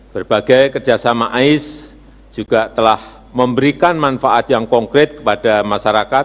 berbagai kerjasama ais juga telah memberikan manfaat yang konkret kepada masyarakat